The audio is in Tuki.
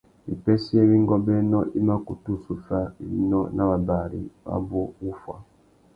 Wipêssê iwí ngôbēnô i mà kutu zu fá winô nà wabari abú wuffuá.